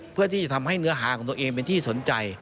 เพื่อที่จะทำให้เนื้อหาของตัวเองเป็นที่สนใจ